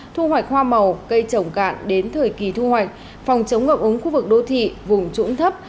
thu hoạch hoa màu cây trồng cạn đến thời kỳ thu hoạch phòng chống ngập úng khu vực đô thị vùng trũng thấp